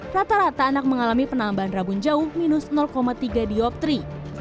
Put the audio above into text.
rata rata anak mengalami penambahan rabun jauh minus tiga dioptri